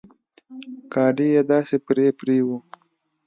کالي يې داسې پرې پرې وو.